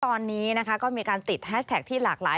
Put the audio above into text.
ตอนนี้นะคะก็มีการติดแฮชแท็กที่หลากหลาย